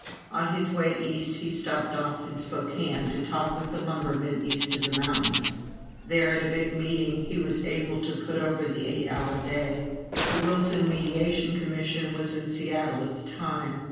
On his way East he stopped off in Spokane, to talk with the lumbermen east of the mountains. There, at a big meeting, he was able to put over the eight hour day. The Wilson Mediation Commission was in Seattle at the time.